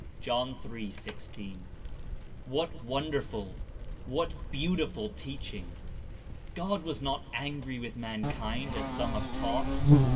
'' (John 3. 16.) What wonderful, what beautiful teaching! God was not angry with mankind, as some have taught.